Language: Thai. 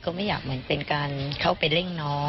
ก็คือปล่อยให้เวลา